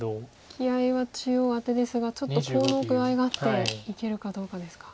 気合いは中央アテですがちょっとコウの具合があっていけるかどうかですか。